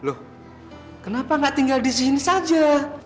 loh kenapa nggak tinggal di sini saja